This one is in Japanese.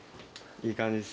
いい感じっす。